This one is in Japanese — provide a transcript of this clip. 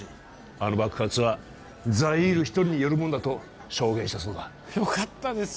あの爆発はザイール一人によるものだと証言したそうだよかったです